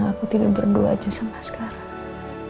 aku tidak berdua aja sampai sekarang